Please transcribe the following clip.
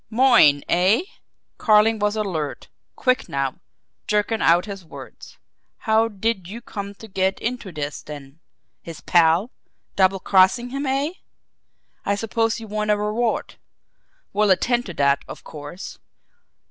"Moyne, eh?" Carling was alert, quick now, jerking out his words. "How did you come to get into this, then? His pal? Double crossing him, eh? I suppose you want a reward we'll attend to that, of course.